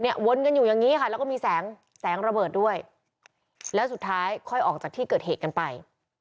วนกันอยู่อย่างนี้ค่ะแล้วก็มีแสงแสงระเบิดด้วยแล้วสุดท้ายค่อยออกจากที่เกิดเหตุกันไป